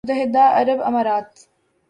متحدہ عرب امارات